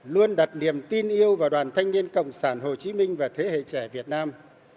là đoàn thanh niên cộng sản hồ chí minh và thế hệ trẻ việt nam